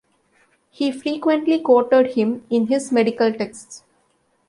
He frequently quoted him in his medical texts.